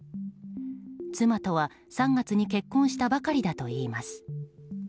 妻とは３月に結婚したばかりだといいます。